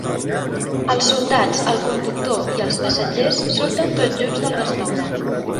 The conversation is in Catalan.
Els soldats, el conductor i els passatgers surten tots junts del restaurant.